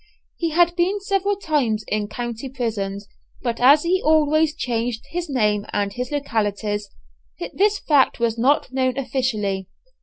He had been several times in county prisons, but, as he always changed his name and his localities, this fact was not known officially.